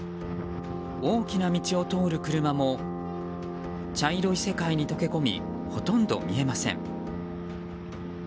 大きな道を通る車も茶色い世界に溶け込みほとんど見えません。